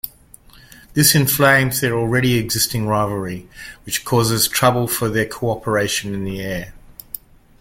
This inflames their already-existing rivalry, which causes trouble for their co-operation in the air.